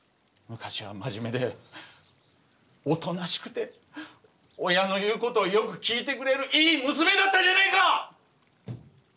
昔は真面目でおとなしくて親の言う事をよく聞いてくれるいい娘だったじゃないか！